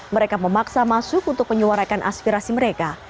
mereka memaksa masuk untuk menyuarakan aspirasi mereka